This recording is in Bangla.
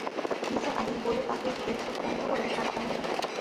নিসার আলি বইয়ের তাকের দিকে চোখ বন্ধ করে হাত বাড়ালেন।